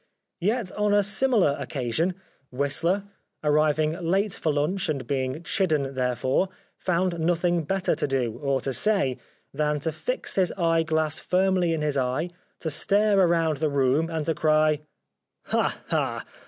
Yet on a similar occasion. Whistler, arriving late for lunch and being chidden therefore, found nothing better to do, or to say, than to fix his eyeglass firmly in his eye, to stare around the room and to cry, " Ha ! Ha